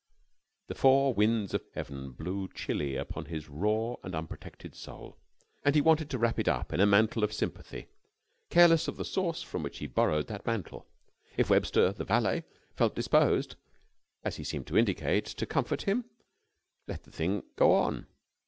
The four winds of heaven blew chilly upon his raw and unprotected soul, and he wanted to wrap it up in a mantle of sympathy, careless of the source from which he borrowed that mantle. If Webster, the valet, felt disposed, as he seemed to indicate, to comfort him, let the thing go on.